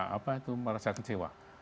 apa itu merasa kecewa